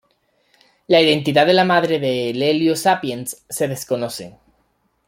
La identidad de la madre de Lelio Sapiens se desconoce.